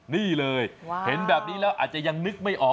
นี่เลยเห็นแบบนี้แล้วอาจจะยังนึกไม่ออก